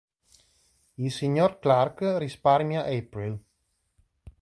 Il signor Clark risparmia April.